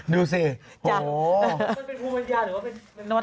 ดูซิโห